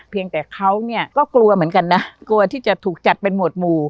เพียงแต่เขาเนี่ยก็กลัวเหมือนกันนะกลัวที่จะถูกจัดเป็นหวดหมู่